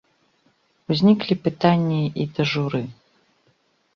Узніклі пытанні і да журы.